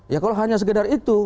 ya kalau hanya sekedar itu